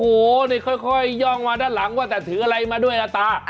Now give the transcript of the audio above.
โอ้โหนี่ค่อยย่องมาด้านหลังว่าแต่ถืออะไรมาด้วยล่ะตา